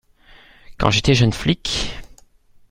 quand j’étais jeune flic.